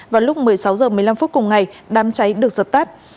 vào lúc một mươi sáu h một mươi năm phút cùng ngày đám cháy được dập tắt